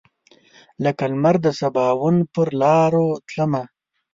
لکه لمر دسباوون پر لاروتلمه